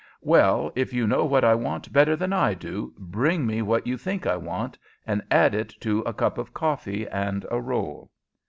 "Well, if you know what I want better than I do, bring me what you think I want, and add to it a cup of coffee and a roll."